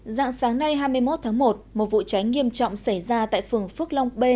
dạng sáng nay hai mươi một tháng một một vụ cháy nghiêm trọng xảy ra tại phường phước long b